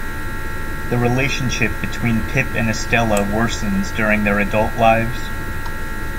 The relationship between Pip and Estella worsens during their adult lives.